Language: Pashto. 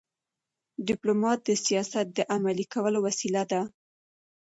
ډيپلومات د سیاست د عملي کولو وسیله ده.